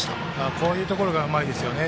こういうところがうまいですよね。